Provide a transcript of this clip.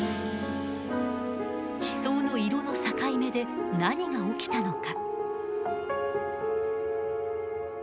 地層の色の境目で何が起きたのか。